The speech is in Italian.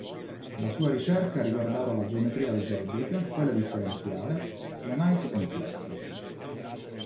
La sua ricerca ha riguardato la geometria algebrica, quella differenziale, l'analisi complessa.